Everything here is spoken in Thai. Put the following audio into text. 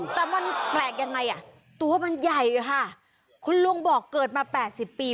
แต่มันแปลกยังไงอ่ะตัวมันใหญ่ค่ะคุณลุงบอกเกิดมาแปดสิบปี